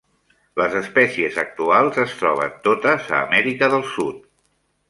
Les espècies actuals es troben totes a Amèrica del Sud.